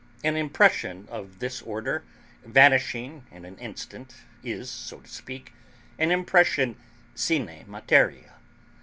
An impression of this order, vanishing in an instant, is, so to speak, an impression sine materia.